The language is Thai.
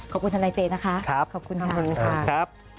ขอบคุณทนายเจนะคะขอบคุณทุกคนค่ะ